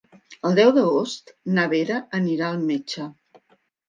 El deu d'agost na Vera anirà al metge.